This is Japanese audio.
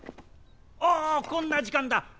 おおこんな時間だ！